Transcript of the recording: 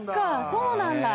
そうなんだ。